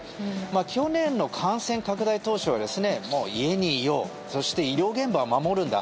去年の感染拡大当初は家にいようそして医療現場を守るんだ